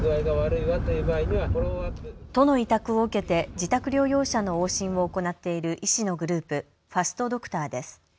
都の委託を受けて自宅療養者の往診を行っている医師のグループ、ファストドクターです。